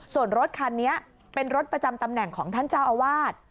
ส่วนรถคันนี้เป็นรถประจำตำแหน่งของท่านเจ้าอาวาส